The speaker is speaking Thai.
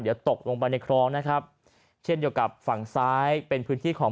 เดี๋ยวตกลงไปในคลองนะครับเช่นเดียวกับฝั่งซ้ายเป็นพื้นที่ของ